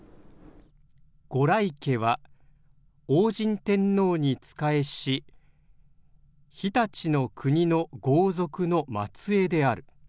「五来家は応神天皇に仕えし常陸国の豪族の末えいである」。